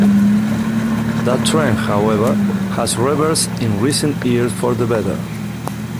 That trend, however, has reversed in recent years for the better.